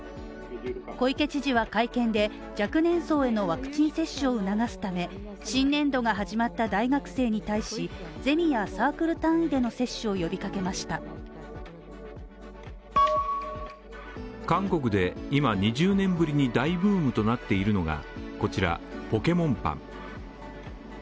小池知事は会見で、若年層へのワクチン接種を促すため新年度が始まった大学生に対しゼミやサークル単位での接種を呼びかけました韓国で今、２０年ぶりに大ブームとなっているのがこちら、ポケモンパン。